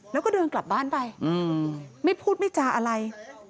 แล้วก็เดินกลับบ้านไปไม่พูดไม่จาอะไร